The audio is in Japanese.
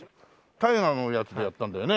大河のやつでやったんだよね？